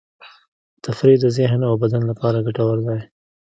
تفریح د ذهن او بدن لپاره ګټور دی.